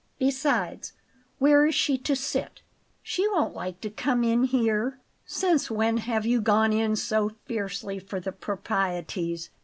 Besides, where is she to sit? She won't like to come in here." "Since when have you gone in so fiercely for the proprieties?"